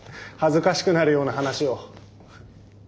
恥ずかしくなるような話を。